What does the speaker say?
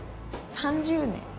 ３０年？